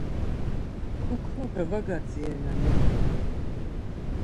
Kuklape var gadzirenani?